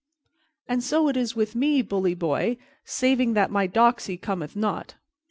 "And so it is with me, bully boy, saving that my doxy cometh not."